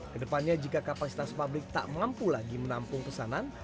kedepannya jika kapasitas pabrik tak mampu lagi menampung pesanan